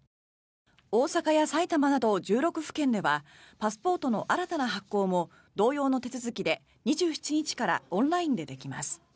大阪や埼玉など１６府県ではパスポートの新たな発行も同様の手続きで２７日からオンラインでできます。